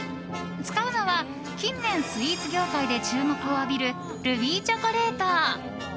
使うのは近年スイーツ業界で注目を浴びるルビーチョコレート。